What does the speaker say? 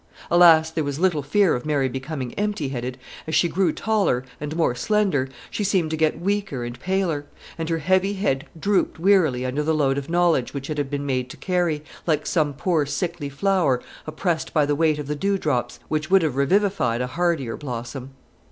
Alas, there was little fear of Mary becoming empty headed! As she grew taller, and more slender, she seemed to get weaker and paler; and her heavy head drooped wearily under the load of knowledge which it had been made to carry, like some poor sickly flower oppressed by the weight of the dew drops, which would have revivified a hardier blossom.